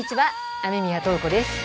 雨宮塔子です。